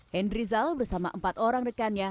henry zal bersama empat orang rekannya